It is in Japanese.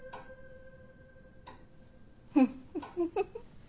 フフフ。